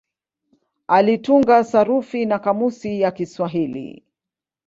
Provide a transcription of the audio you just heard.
Alitunga sarufi na kamusi ya Kiswahili.